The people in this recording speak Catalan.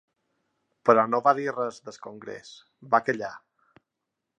Però no va dir res del congrés, va callar.